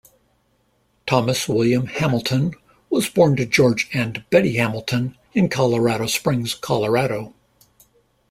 Thomas William Hamilton was born to George and Betty Hamilton in Colorado Springs, Colorado.